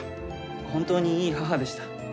本当にいい母でした。